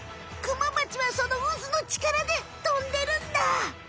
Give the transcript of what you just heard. クマバチはその渦のちからでとんでるんだ！